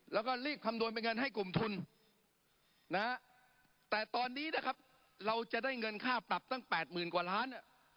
แล้วก็รีบคำนวณเป็นเงินให้กลุ่มทุนนะแต่ตอนนี้นะครับเราจะได้เงินค่าปรับตั้ง๘๐๐๐กว่าล้าน